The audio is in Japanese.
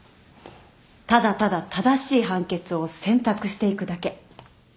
ただただ正しい判決を選択していくだけ。